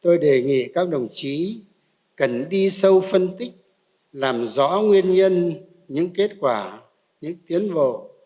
tôi đề nghị các đồng chí cần đi sâu phân tích làm rõ nguyên nhân những kết quả những tiến bộ